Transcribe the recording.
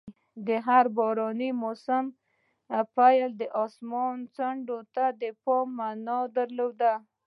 د هر باراني فصل پیل د اسمان ځنډو ته د پام مانا درلود.